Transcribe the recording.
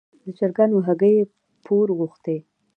د چرګانو هګۍ یې پور غوښتې.